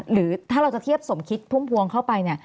หรือถ้าเราจะเทียบสมคิดพุ่มพวงเข้าไปเนี่ย